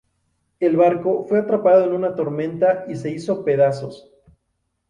El barco fue atrapado en una tormenta y se hizo pedazos.